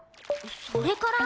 それから。